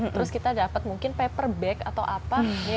terus kita dapat mungkin paper bag atau apa